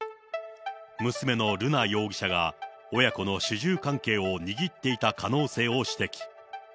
娘の瑠奈容疑者が、親子の主従関係を握っていた可能性を指摘。